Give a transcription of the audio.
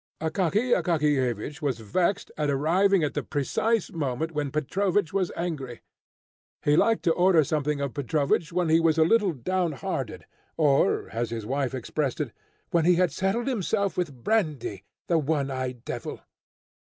Akaky Akakiyevich was vexed at arriving at the precise moment when Petrovich was angry. He liked to order something of Petrovich when he was a little downhearted, or, as his wife expressed it, "when he had settled himself with brandy, the one eyed devil!"